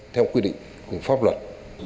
theo quy định của pháp luật